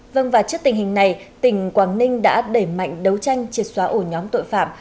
vâng và trước tình hình này tỉnh quảng ninh đã đẩy mạnh đấu tranh triệt xóa ổ nhóm tội phạm